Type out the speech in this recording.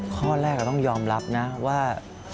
ข้อแรกเราต้องยอมรับนะว่า